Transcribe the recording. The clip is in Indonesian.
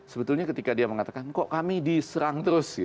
sebetulnya ketika dia mengatakan kok kami diserang terus